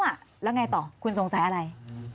แล้วอย่างไรต่อคุณสงสัยอะไร